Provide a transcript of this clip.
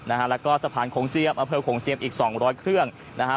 นะฮะแล้วก็สะพานโขงเจียมอำเภอโขงเจียมอีกสองร้อยเครื่องนะฮะ